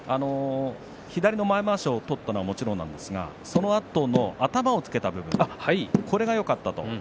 左の前まわしを取ったのはもちろんなんですがそのあとの頭をつけた部分これがよかったと。